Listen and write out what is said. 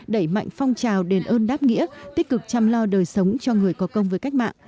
đẩy mạnh phong trào đền ơn đáp nghĩa tích cực chăm lo đời sống cho người có công với cách mạng